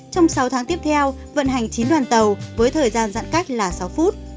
trong sáu tháng tiếp theo vận hành chín đoàn tàu với thời gian giãn cách là sáu phút